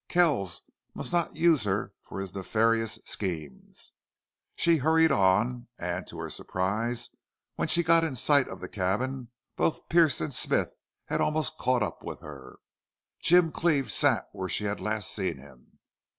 Kells must not use her for his nefarious schemes. She hurried on, and, to her surprise, when she got within sight of the cabin both Pearce and Smith had almost caught up with her. Jim Cleve sat where she had last seen him.